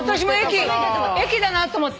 『駅』だと思ってた。